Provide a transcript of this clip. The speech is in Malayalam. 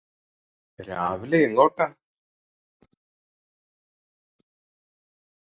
രാവിലെയെങ്ങോട്ടാ?